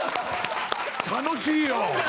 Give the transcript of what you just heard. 楽しいよ！